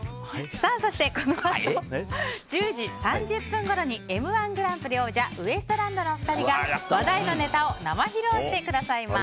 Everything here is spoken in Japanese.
そしてこのあと１０時３０分ごろに「Ｍ‐１グランプリ」王者ウエストランドのお二人が話題のネタを生披露してくれます。